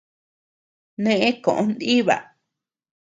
Neʼe koʼö nʼiba.